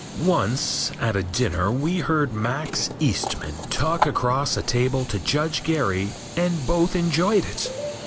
Once, at a dinner we heard Max Eastman talk across a table to Judge Gary and both enjoyed it.